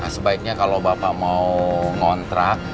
sebaiknya kalau bapak mau ngontrak